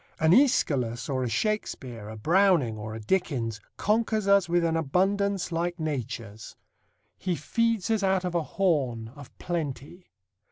An Æschylus or a Shakespeare, a Browning or a Dickens, conquers us with an abundance like nature's. He feeds us out of a horn, of plenty.